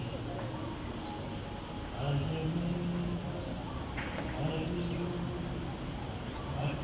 เพราะผมแก่เขา